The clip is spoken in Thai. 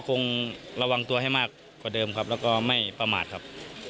คงระวังตัวให้มากกว่าเดิมครับแล้วก็ไม่ประมาทครับ